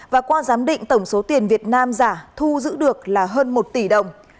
và qua giám định tổng số tiền việt nam giả thu giữ được là hơn một tỷ đồng